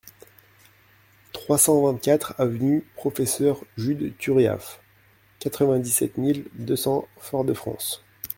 trois cent vingt-quatre avenue Professeur Judes Turiaf, quatre-vingt-dix-sept mille deux cents Fort-de-France